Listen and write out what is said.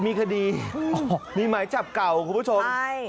มีคดีมีหมายจับเก่าคุณผู้ชมใช่